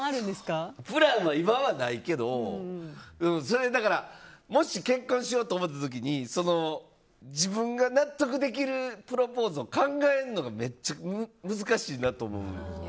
今はないけどもし結婚しようと思った時に自分が納得できるプロポーズを考えるのがめっちゃ難しいなと思う。